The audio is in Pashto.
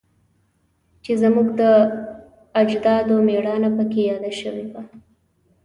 چې زموږ د اجدادو میړانه پکې یاده شوی وه